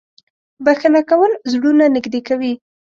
• بښنه کول زړونه نږدې کوي.